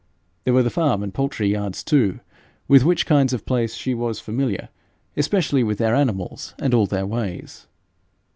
There were the farm and poultry yards too, with which kinds of place she was familiar especially with their animals and all their ways.